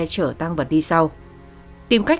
chở tăng vật đi sau tìm cách